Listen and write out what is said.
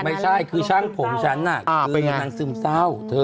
ไม่ใช่คือช่างผมฉันน่ะเป็นนางซึมเศร้า